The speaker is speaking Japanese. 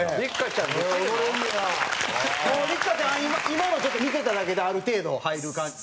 今のちょっと見てただけである程度入る感じ？